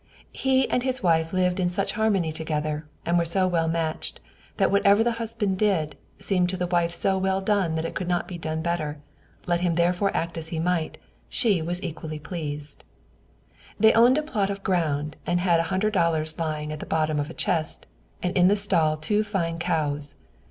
He and his wife lived in such harmony together, and were so well matched, that whatever the husband did, seemed to the wife so well done that it could not be done better; let him therefore act as he might, she was equally well pleased. They owned a plot of ground, and had a hundred dollars lying at the bottom of a chest, and in the stall two fine cows.